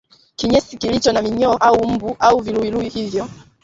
kinyesi kilicho na minyoo au mabuu au viluwiluwi hivyo